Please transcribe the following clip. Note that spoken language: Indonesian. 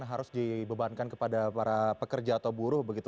harus dibebankan kepada para pekerja atau buruh begitu